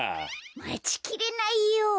まちきれないよ。